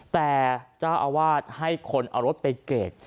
แต่เจ้าอาวาสให้คนเอารถไปเกรด